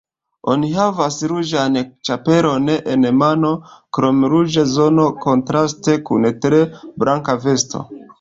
Oni havas ruĝan ĉapelon en mano, krom ruĝa zono kontraste kun tre blanka vesto.